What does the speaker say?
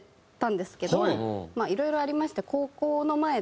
まあいろいろありまして。